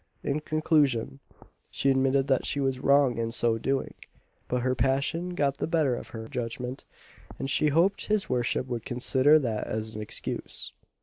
In conclusion, she admitted that she was wrong in so doing, but her passion got the better of her judgment, and she hoped his worship would consider that as an excuse.